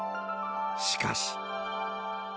しかし。